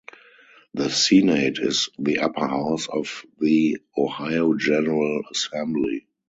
The senate is the upper house of the Ohio General Assembly.